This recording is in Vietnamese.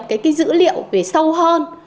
để cập nhật cái dữ liệu về sâu hơn